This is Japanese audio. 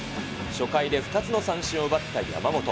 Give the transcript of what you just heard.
初回で２つの三振を奪った山本。